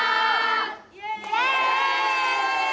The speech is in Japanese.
イエーイ！